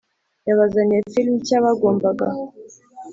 yabazaniye film nshya bagombaga